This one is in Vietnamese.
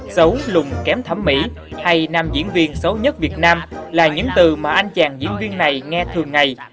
xấu lùng kém thẩm mỹ hay nam diễn viên xấu nhất việt nam là những từ mà anh chàng diễn viên này nghe thường ngày